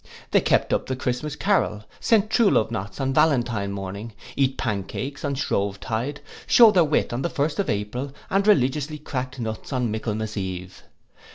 They kept up the Christmas carol, sent true love knots on Valentine morning, eat pancakes on Shrove tide, shewed their wit on the first of April, and religiously cracked nuts on Michaelmas eve.